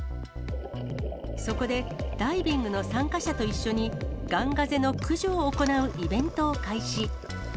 そこで、ダイビングの参加者と一緒に、ガンガゼの駆除を行うイベントを開始。